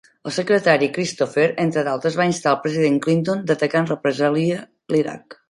El secretari Christopher, entre d'altres, va instar al president Clinton d'atacar en represalia l'Iraq.